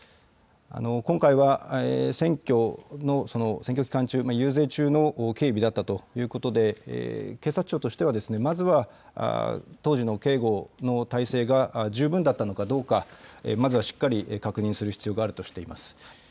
今回は選挙の、選挙期間中、遊説中の警備だったということで、警察庁としては、まずは当時の警護の体制が十分だったのかどうか、まずはしっかり確認する必要があるとしています。